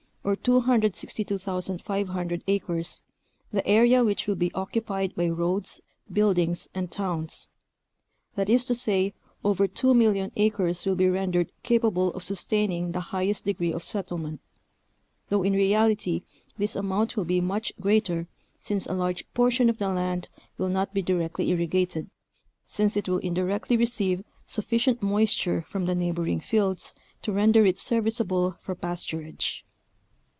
or 262,500 acres, the area which will be occupied by roads, buildings, and towns; that is to say over 2,000,000 acres will be rendered capable of sus taining the highest degree of settlement, though in reality this amount will be much greater since a large portion of the land will not be directly irrigated, since it will indirectly receive sufficient moisture from the neighboring fields to render it ser viceable for pasturage.